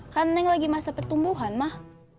kan neng lagi masa pertumbuhan mah